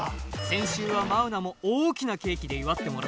先週はマウナも大きなケーキでいわってもらったなあ。